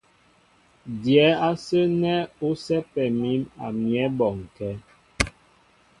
Dyɛ̌ ásə́ nɛ́ ú sɛ́pɛ mǐm a myɛ́ bɔnkɛ́.